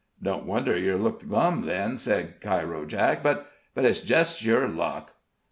"Don't wonder yer looked glum, then," said Cairo Jake; "but but it's jest your luck!"